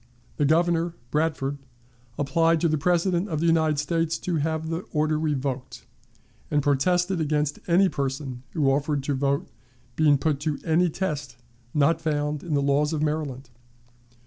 The Governor (Bradford) applied to the President of the United States to have the order revoked, and protested against any person who offered to vote being put to any test not found in the laws of Maryland.